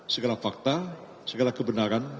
segala fakta segala kebenaran